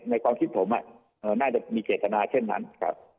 ความคิดผมน่าจะมีเจตนาเช่นนั้นครับ